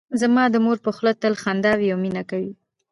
زما د مور په خوله تل خندا وي او مینه کوي